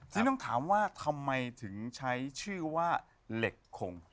ที่ต้องถามว่าทำไมถึงใช้ชื่อว่าเหล็กคง